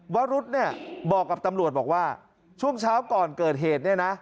วรุษเนี่ยบอกกับตำรวจบอกว่าช่วงเช้าก่อนเกิดเหตุเนี่ยนะ